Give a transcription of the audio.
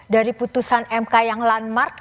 dari putusan mk yang landmark